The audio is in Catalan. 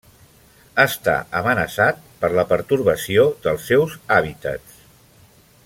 Està amenaçat per la pertorbació dels seus hàbitats.